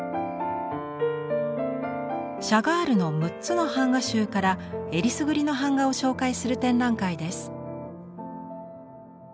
シャガールの６つの版画集からえりすぐりの版画を紹介する展覧会です。